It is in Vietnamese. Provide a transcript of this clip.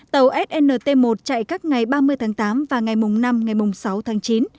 tàu snt một chạy các ngày ba mươi tháng tám và ngày mùng năm ngày mùng sáu tháng chín